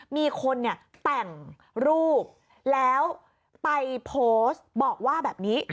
มีคนเนี่ยแต่งรูปแล้วไปโพสต์บอกว่าแบบนี้